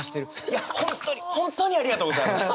いや本当に本当にありがとうございます。